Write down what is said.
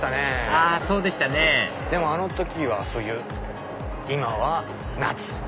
あそうでしたねでもあの時は冬今は夏。